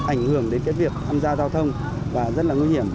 ảnh hưởng đến cái việc tham gia giao thông và rất là nguy hiểm